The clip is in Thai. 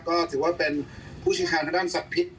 ก็ถือว่าเป็นผู้เชี่ยวชาญทางด้านสัตว์พิษ